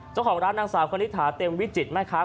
เจ้าของร้านนางสาวคนนิษฐาเต็มวิจิติไหมคะ